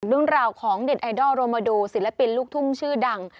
เรื่องราวของเด็ดไอดอลโรมาดูศิลปินลูกทุ่งชื่อดัง